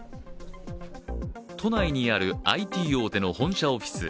都内にあるＩＴ大手の本社オフィス。